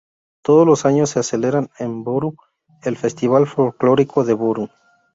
Todos los años, se celebra en Võru el Festival Folclórico de Võru.